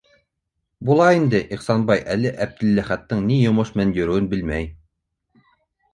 Була инде, - Ихсанбай әле Әптеләхәттең ни йомош менән йөрөүен белмәй.